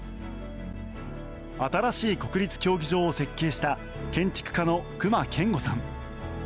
新しい国立競技場を設計した建築家の隈研吾さん。